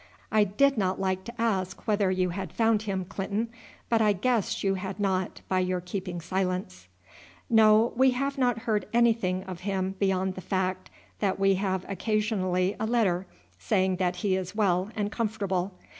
"I did not like to ask whether you had found him, Clinton; but I guessed you had not by your keeping silence." "No, we have heard nothing of him beyond the fact that we have occasionally a letter saying that he is well and comfortable.